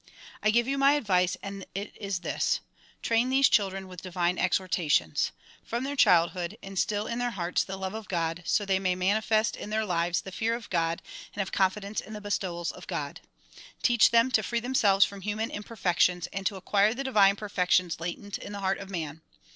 I give you my advice and it is this : Train these children with divine exhortations. From their childhood instill in their hearts the love of God so they may manifest in their lives the fear of God and have confidence in the bestowals of God. Teach them to free themselves from human imperfections and to acquire the divine perfections latent in the heart of man.